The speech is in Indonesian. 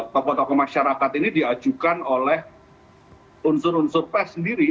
tokoh tokoh masyarakat ini diajukan oleh unsur unsur pes sendiri